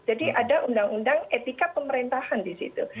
jadi ada undang undang etika pemerintahan di situ